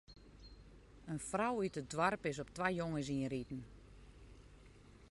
In frou út it doarp is op twa jonges ynriden.